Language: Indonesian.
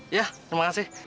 iya terima kasih